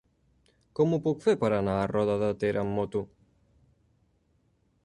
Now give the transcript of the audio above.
Com ho puc fer per anar a Roda de Ter amb moto?